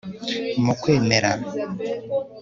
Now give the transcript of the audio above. m'ukwemera